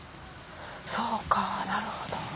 そうかなるほど。